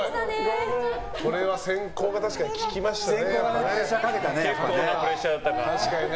これは先攻が確かに効きましたね。